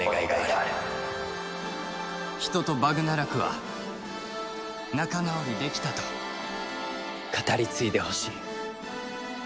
人とバグナラクは仲直りできたと語り継いでほしい。